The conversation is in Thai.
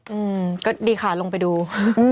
อืมก็ดีค่ะลงไปดู